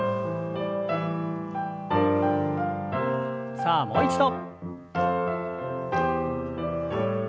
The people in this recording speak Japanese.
さあもう一度。